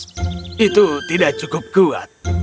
itu tidak cukup kuat